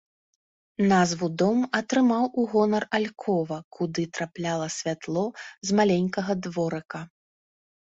Назву дом атрымаў у гонар алькова, куды трапляла святло з маленькага дворыка.